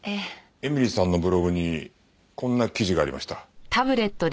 絵美里さんのブログにこんな記事がありました。